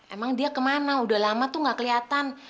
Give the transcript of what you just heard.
emang dia kemana udah lama tuh gak kelihatan